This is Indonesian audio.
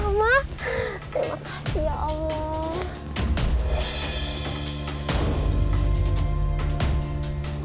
terima kasih ya allah